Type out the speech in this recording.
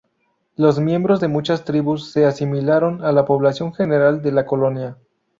Los miembros de muchas tribus se asimilaron a la población general de la colonia.